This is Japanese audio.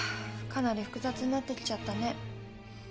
かなり複雑になってきちゃったね。